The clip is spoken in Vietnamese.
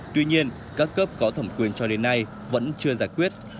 tuy nhiên các cấp có thẩm quyền cho đến nay vẫn chưa giải quyết